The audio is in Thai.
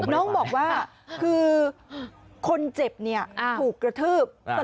น้องบอกว่าคือคนเจ็บเนี่ยถูกกระทืบ